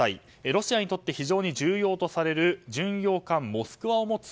ロシアにとって非常に重要とされる巡洋艦「モスクワ」を持つ